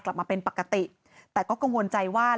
กลับมาเป็นปกติแต่ก็กังวลใจว่า